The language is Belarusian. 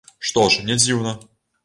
Што ж, не дзіўна.